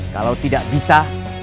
kalau tidak bisa